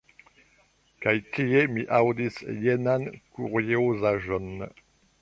Kaj tie mi aŭdis jenan kuriozaĵon.